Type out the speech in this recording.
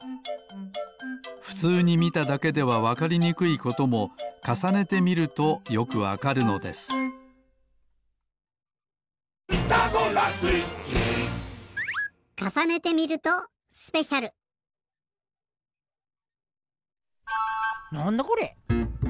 ふつうにみただけではわかりにくいこともかさねてみるとよくわかるのですなんだこれ？